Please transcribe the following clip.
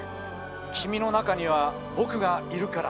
君の中には僕がいるから。